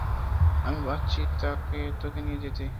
আমি আসছি তোকে নিয়ে যেতে!